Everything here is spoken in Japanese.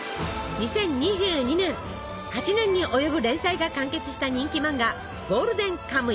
２０２２年８年に及ぶ連載が完結した人気漫画「ゴールデンカムイ」。